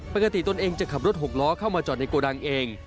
ตนเองจะขับรถหกล้อเข้ามาจอดในโกดังเอง